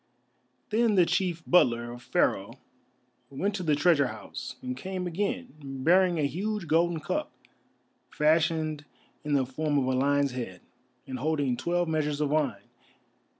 Then the chief butler of Pharaoh went to the treasure house, and came again, bearing a huge golden cup, fashioned in the form of a lion's head, and holding twelve measures of wine.